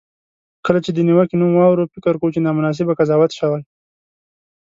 کله چې د نیوکې نوم واورو، فکر کوو چې نامناسبه قضاوت شوی.